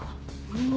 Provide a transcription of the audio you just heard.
うわ。